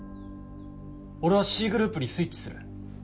俺はＣグループにスイッチする。